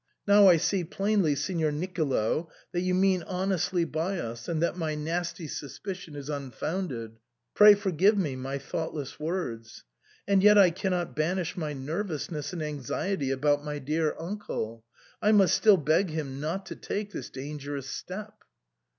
Now I see plainly, Signor Nicolo, that you mean honestly by us, and that my nasty suspicion is un founded. Pray forgive me my thoughtless words. And yet I cannot banish my nervousness and anxiety about my dear uncle ; I must still beg him not to take this dangerous step."